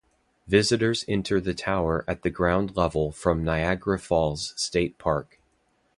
Visitors enter the tower at the ground level from Niagara Falls State Park.